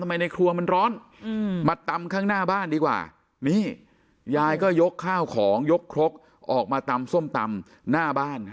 ในครัวมันร้อนมาตำข้างหน้าบ้านดีกว่านี่ยายก็ยกข้าวของยกครกออกมาตำส้มตำหน้าบ้าน